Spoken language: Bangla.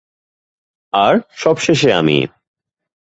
আর সবশেষে আমি।